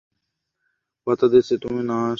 কথা দিচ্ছি, তুমি না হাসলে, আমরা ফিরে এসে একসাথে কাঁদব।